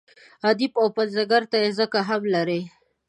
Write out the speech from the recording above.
ادیب او پنځګر ته یې ځکه هم لري.